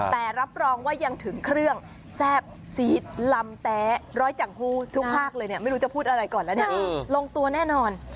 แต่รับรองว่ายังถึงเครื่องแซ่บสีดลำแต๊ะร้อยจังหู้ทุกภาคไม่รู้จะพูดอะไรก็แล้วรงตัวแน่นอน